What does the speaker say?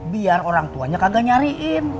biar orang tuanya kagak nyariin